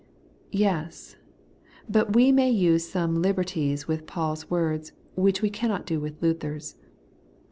Yes ; but we may use some liberties with Paul's words, which we cannot do with Luther's.